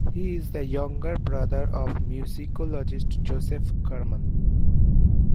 He is the younger brother of musicologist Joseph Kerman.